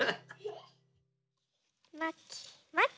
まきまき。